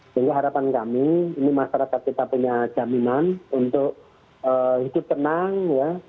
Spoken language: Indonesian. sehingga harapan kami ini masyarakat kita punya jaminan untuk hidup tenang ya